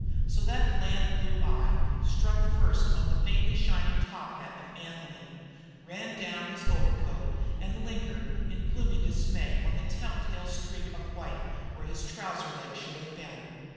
So that bland blue eye struck first on the faintly shining top hat of Anthony, ran down his overcoat, and lingered in gloomy dismay on the telltale streak of white where the trouser leg should have been.